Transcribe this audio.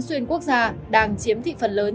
xuyên quốc gia đang chiếm thị phần lớn